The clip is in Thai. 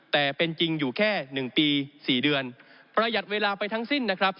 แต่เป็นจริงอยู่แค่๑ปี๔เดือนประหยัดเวลาไปทั้งสิ้นนะครับ